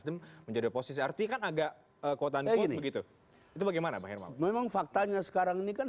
menjadi posisi artikan agak kota npc begitu itu bagaimana memang faktanya sekarang ini kan